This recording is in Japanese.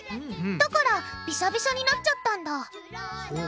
だからビシャビシャになっちゃったんだ。